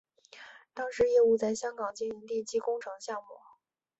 当时业务在香港经营地基工程项目。